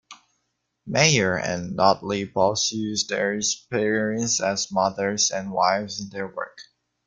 Mayer and Notley both used their experience as mothers and wives in their work.